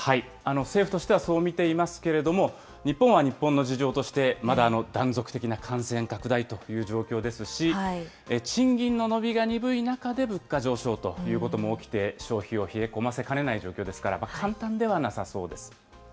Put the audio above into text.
政府としてはそう見ていますけれども、日本は日本の事情として、まだ断続的な感染拡大という状況ですし、賃金の伸びが鈍い中で物価上昇ということも起きて、消費を冷え込ませかねない状況ですから、簡単ではなさそうです。